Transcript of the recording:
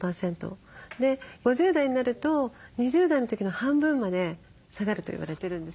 ５０代になると２０代の時の半分まで下がるといわれてるんです。